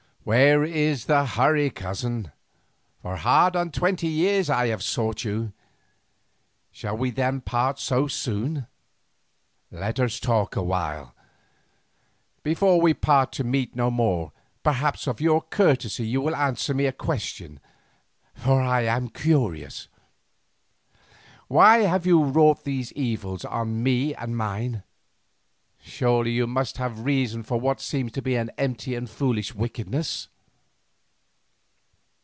"Where is the hurry, cousin? For hard on twenty years I have sought you, shall we then part so soon? Let us talk a while. Before we part to meet no more, perhaps of your courtesy you will answer me a question, for I am curious. Why have you wrought these evils on me and mine? Surely you must have some reason for what seems to be an empty and foolish wickedness."